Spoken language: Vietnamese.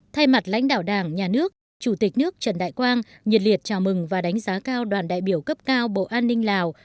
thay mặt lãnh đạo đảng nhà nước chủ tịch nước trần đại quang nhiệt liệt chào mừng và đánh giá cao đoàn đại biểu cấp cao bộ an ninh lào